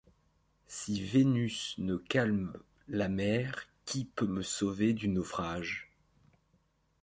Si Vénus ne calme la mer, qui peut me sauver du naufrage ?